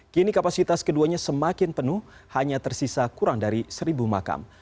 kini kapasitas keduanya semakin penuh hanya tersisa kurang dari seribu makam